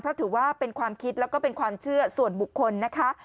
เพราะถือว่าเป็นความคิดแล้วก็เป็นความเชื่อส่วนบุคคลนะคะ